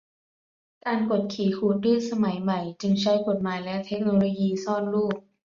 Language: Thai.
การกดขี่ขูดรีดสมัยใหม่จึงใช้กฎหมายและเทคโนโลยีซ่อนรูป